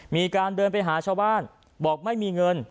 มีการเดินไปหาชาวบ้านบอกไม่มีเงิน